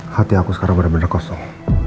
hati aku sekarang bener bener kosong